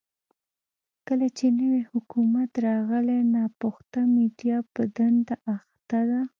کله چې نوی حکومت راغلی، ناپخته میډيا په دنده اخته ده.